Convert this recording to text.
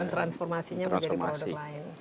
transformasinya menjadi produk lain